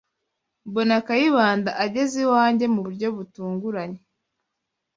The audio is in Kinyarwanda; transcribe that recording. mbona Kayibanda ageze iwanjye mu buryo butunguranye